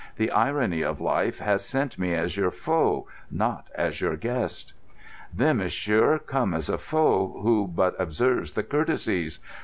The irony of life has sent me as your foe, not as your guest." "Then, monsieur, come as a foe who but observes the courtesies.